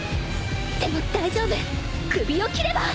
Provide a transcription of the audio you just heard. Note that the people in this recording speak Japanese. でも大丈夫首を斬れば